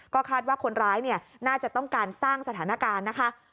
ก็คาดว่าคนร้ายน่าจะต้องการสร้างสถานการณ์นะคะ